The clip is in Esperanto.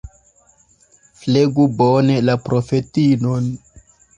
Flegu bone la profetinon.